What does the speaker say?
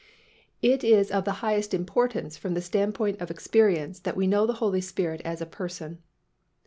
It is of the highest importance from the standpoint of experience that we know the Holy Spirit as a person.